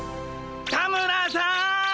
田村さん！